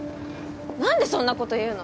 ・何でそんなこと言うの？